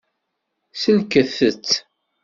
Sellket-tt.